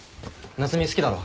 夏海好きだろ。